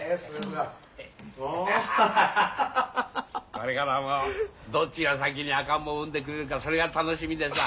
これからはもうどっちが先に赤ん坊を産んでくれるかそれが楽しみでさ。